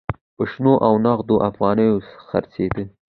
په شنو او نغدو افغانیو خرڅېده.